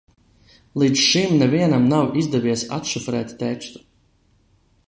Līdz šim nevienam nav izdevies atšifrēt tekstu.